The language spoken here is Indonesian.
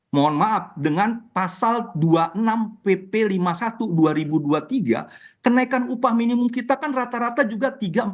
mohon maaf dengan pasal dua puluh enam pp lima puluh satu dua ribu dua puluh tiga kenaikan upah minimum kita kan rata rata juga tiga ratus empat puluh